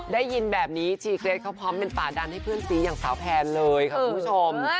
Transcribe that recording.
ได้ยินแบบนี้ชีเกรทเขาพร้อมเป็นป่าดันให้เพื่อนซีอย่างสาวแพนเลยค่ะคุณผู้ชม